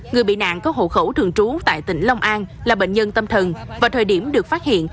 người bị nạn có hộ khẩu thường trú tại tỉnh long an là bệnh nhân tâm thần vào thời điểm được phát hiện